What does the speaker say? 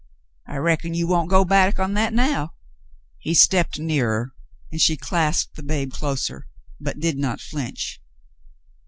I reckon you w^on't go back on that now." He stepped nearer, and she clasped the babe closer, but did not flinch.